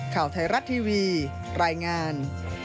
ข่าวไทยรัฐทีวีรายงาน